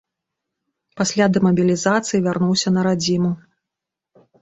Пасля дэмабілізацыі вярнуўся на радзіму.